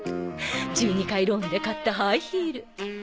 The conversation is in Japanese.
１２回ローンで買ったハイヒール。